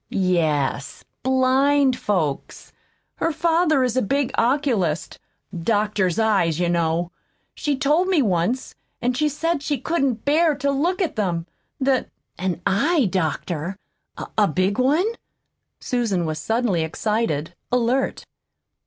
"Yes blind folks. Her father is a big oculist doctors eyes, you know. She told me once. And she said she couldn't bear to look at them; that " "An eye doctor? a big one?" Susan was suddenly excited, alert.